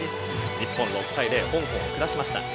日本６対０で香港を下しました。